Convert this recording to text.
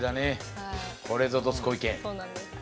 これぞ「どすこい研」。